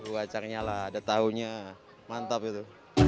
bumbu kacangnya lah ada tahunya mantap itu